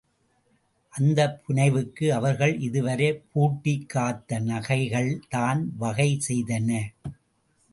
அந்தப் புனைவுக்கு அவர்கள் இது வரை பூட்டிக் காத்த நகைகள்தான் வகை செய்தன.